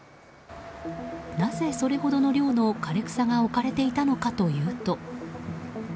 なぜ、それほどの量の枯れ草が置かれていたのかというと。